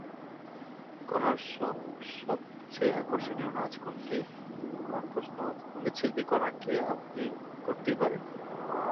কনার শখসবচেয়ে আকর্ষণীয় নাচ কোনটি, এমন প্রশ্ন সংগীতশিল্পী কনাকে আপনি করতেই পারেন।